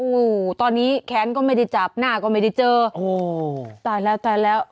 โอ้โหตอนนี้แค้นก็ไม่ได้จับหน้าก็ไม่ได้เจอโอ้ตายแล้วตายแล้ว